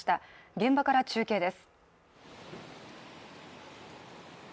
現場から中継です。